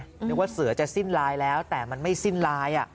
นึกว่าเสือจะสิ้นลายแล้วแต่มันไม่สิ้นลาย